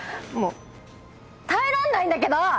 もう耐えらんないんだけど！